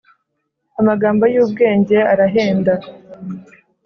amagambo yubwenge arahenda